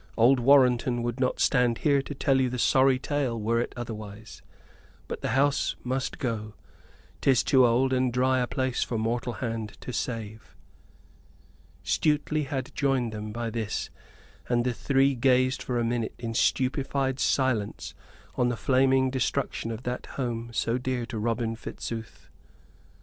Old Warrenton would not stand here to tell you the sorry tale were it otherwise. But the house must go; 'tis too old and dry a place for mortal hand to save." Stuteley had joined them by this, and the three gazed for a minute in stupefied silence on the flaming destruction of that home so dear to Robin Fitzooth.